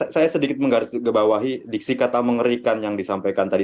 saya sedikit menggarisbawahi diksi kata mengerikan yang disampaikan tadi